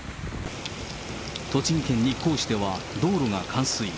栃木県日光市では道路が冠水。